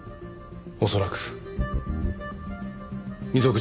恐らく溝口も。